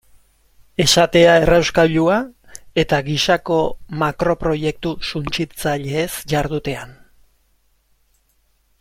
Esatea errauskailua eta gisako makroproiektu suntsitzaileez jardutean.